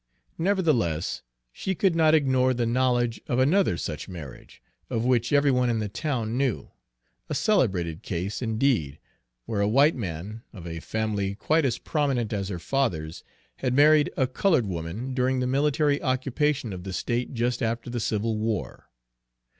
Nevertheless, she could not ignore the knowledge of another such marriage, of which every one in the town knew, a celebrated case, indeed, where a white man, of a family quite as prominent as her father's, had married a colored woman during the military occupation of the state just after the civil war.